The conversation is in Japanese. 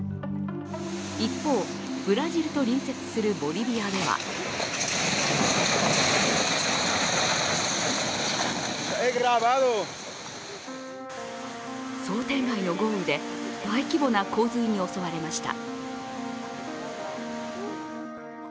一方、ブラジルと隣接するボリビアでは想定外の豪雨で大規模な洪水に襲われました。